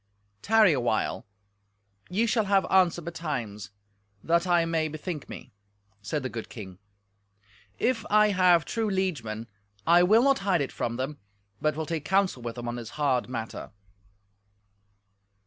"Tarry a while—ye shall have answer betimes—that I may bethink me," said the good king. "If I have true liegemen, I will not hide it from them, but will take counsel with them on this hard matter."